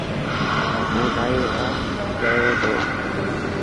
هون نائي وٽا گي تو.